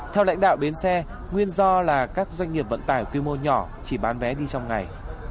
theo lãnh đạo bến xe nguyên do là các doanh nghiệp vận tải quy mô nhỏ chỉ bán vé đi trong ngày